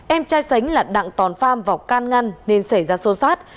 em trai sánh là đặng toàn pham vào can ngăn nên xảy ra xô sát